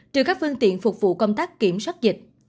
trừ các phương tiện phục vụ công tác kiểm soát dịch